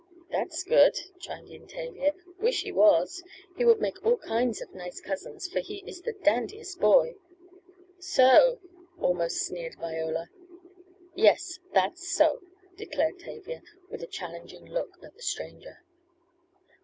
"That's good," chimed in Tavia. "Wish he was; he would make all kinds of nice cousins, for he is the dandiest boy " "So!" almost sneered Viola. "Yes, that's so," declared Tavia, with a challenging look at the stranger.